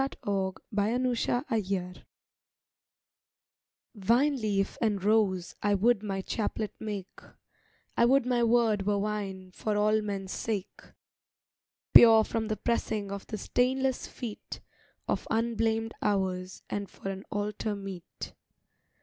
THE WISH FOR A CHAPLET Vineleaf and rose I would my chaplet make: I would my word were wine for all men's sake. Pure from the pressing of the stainless feet Of unblamed Hours, and for an altar meet.